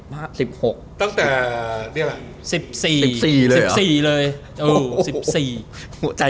๑๖ตั้งแต่